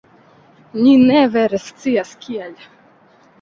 Ni ne vere scias, kial.